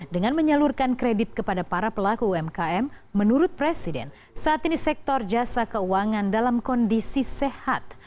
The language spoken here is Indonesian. dengan menyalurkan kredit kepada para pelaku umkm menurut presiden saat ini sektor jasa keuangan dalam kondisi sehat